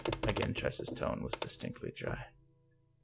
Again Tress's tone was distinctly dry.